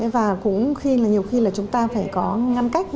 và cũng khi là nhiều khi là chúng ta phải có ngăn cách